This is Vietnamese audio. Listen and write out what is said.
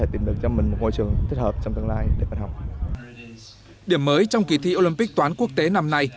điểm mới trong kỳ thi olympic toán quốc tế năm nay